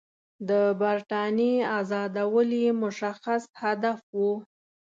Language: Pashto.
د برټانیې آزادول یې مشخص هدف وو.